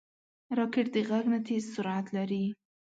راکټ د غږ نه تېز سرعت لري